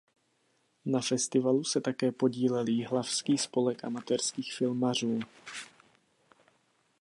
Na festivalu se také podílel Jihlavský spolek amatérských filmařů.